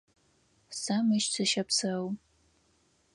Сэ мыщ сыщэпсэу.